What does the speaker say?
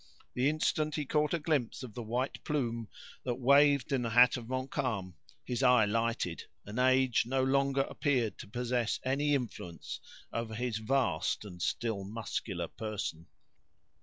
The instant he caught a glimpse of the white plume that waved in the hat of Montcalm, his eye lighted, and age no longer appeared to possess any influence over his vast and still muscular person.